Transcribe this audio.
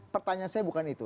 pertanyaan saya bukan itu